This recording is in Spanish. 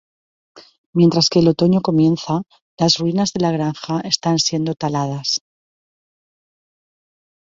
Mientras que el otoño comienza, las ruinas de la granja están siendo taladas.